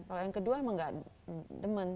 kalau yang kedua memang enggak demen